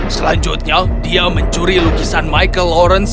selanjutnya dia mencuri lukisan michael lawrence